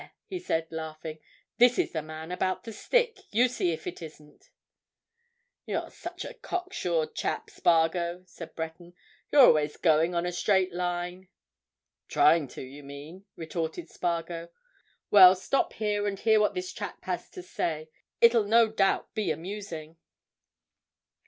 he said, laughing. "This is the man about the stick—you see if it isn't." "You're such a cock sure chap, Spargo," said Breton. "You're always going on a straight line." "Trying to, you mean," retorted Spargo. "Well, stop here, and hear what this chap has to say: it'll no doubt be amusing."